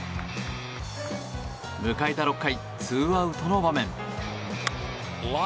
迎えた６回ツーアウトの場面。